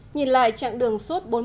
nhìn lại chặng đường suốt bốn mươi năm năm